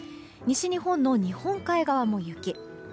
西日本の日本海側も雪。